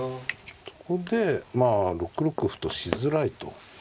ここでまあ６六歩としづらいと。